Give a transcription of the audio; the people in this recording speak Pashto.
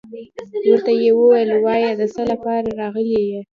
ورته يې ويل وايه دڅه لپاره راغلى يي.